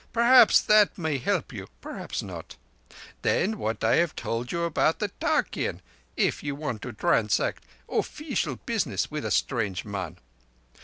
Perhaps that may help you—perhaps not. Then what I have told you about the tarkeean, if you want to transact offeecial business with a strange man.